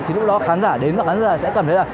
thì lúc đó khán giả đến và khán giả sẽ cảm thấy là